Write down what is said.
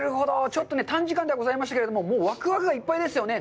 ちょっと短時間ではございましたけれどももうワクワクがいっぱいですよね！